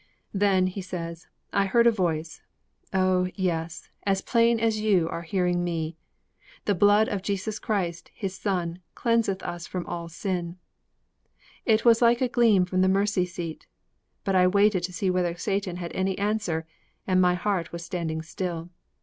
'Then,' he says, 'I heard a voice, oh, yes, as plain as you are hearing me: "The blood of Jesus Christ, His Son, cleanseth us from all sin." It was like a gleam from the Mercy seat, but I waited to see whether Satan had any answer and my heart was standing still.